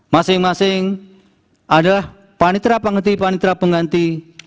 masing masing adalah panitra pengeti panitra pengganti